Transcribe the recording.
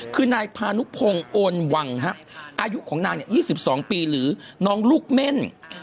คือนายพานุพงโอนวังครับอายุของนายเนี่ย๒๒ปีหรือน้องลูกเม่น